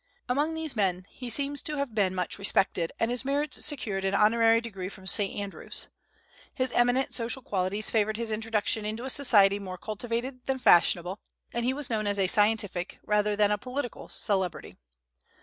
Among these men he seems to have been much respected, and his merits secured an honorary degree from St. Andrew's. His eminent social qualities favored his introduction into a society more cultivated than fashionable, and he was known as a scientific rather than a political celebrity.